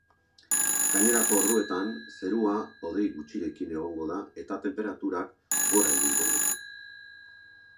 Gainerako orduetan, zerua hodei gutxirekin egongo da eta tenperaturak gora egingo du.